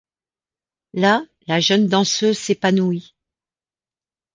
Là, la jeune danseuse s'épanouit.